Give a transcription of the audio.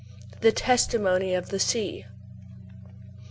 THE TESTIMONY OF THE SEA.